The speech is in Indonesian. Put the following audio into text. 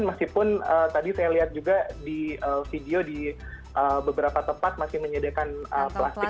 meskipun tadi saya lihat juga di video di beberapa tempat masih menyediakan plastik